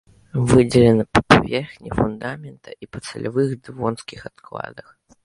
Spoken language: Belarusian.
Выдзелена па паверхні фундамента і падсалявых дэвонскіх адкладах.